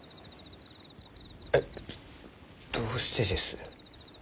えっどうしてです？